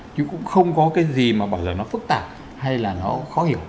chứ cũng không có cái gì mà bao giờ nó phức tạp hay là nó khó hiểu